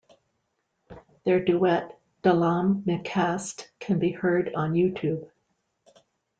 Their duet "Delam Mikhast" can be heard on YouTube.